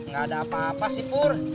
gak ada apa apa sih pur